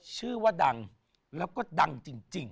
ชื่อว่าดังแล้วก็ดังจริง